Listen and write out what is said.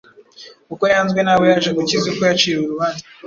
uko yanzwe n’abo yaje gukiza, uko yaciriwe urubanza,